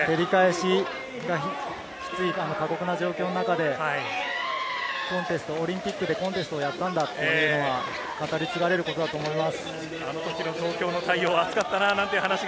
真夏の照り返しがきつい過酷な状況の中で、コンテスト、オリンピックでコンテストをやったんだというのは、語り継がれることだと思います。